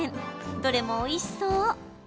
どれも、おいしそう。